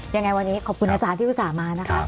ยังไงวันนี้ขอบคุณอาจารย์ที่อุตส่าห์มานะคะ